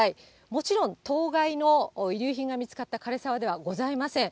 もちろん当該の遺留品が見つかった枯れ沢ではありません。